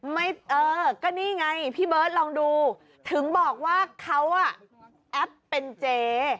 เออก็นี่ไงพี่เบิร์ตลองดูถึงบอกว่าเขาอ่ะแอปเป็นเจ